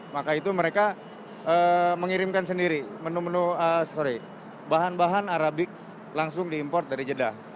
maka itu mereka mengirimkan sendiri menu menu sorry bahan bahan arabic langsung diimport dari jeddah